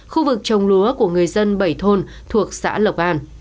khu vực trồng lúa của người dân bảy thôn thuộc xã lộc an